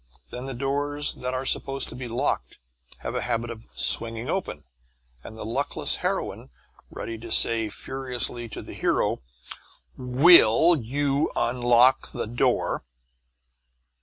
Then doors that are supposed to be locked have a habit of swinging open, and the luckless heroine, ready to say furiously to the hero, "Will you unlock the door?"